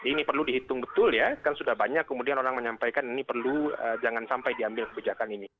ini perlu dihitung betul ya kan sudah banyak kemudian orang menyampaikan ini perlu jangan sampai diambil kebijakan ini